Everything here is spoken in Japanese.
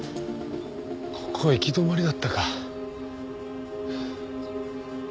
ここ行き止まりだったか。